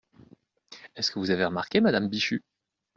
Est-ce que vous avez remarqué, madame Bichu ?